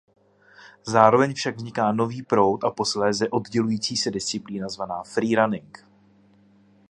Zároveň však vzniká nový proud a posléze oddělující se disciplína zvaná Free running.